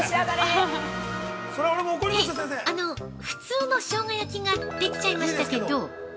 ◆えぇっ、あの、普通のしょうが焼きができちゃいましたけど。